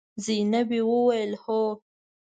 زينبې وويل: هو.